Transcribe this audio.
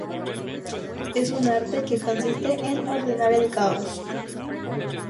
Es un arte que consiste en ordenar el caos.